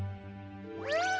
うん！